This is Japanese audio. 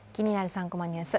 ３コマニュース」